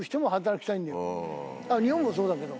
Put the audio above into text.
日本もそうだけど。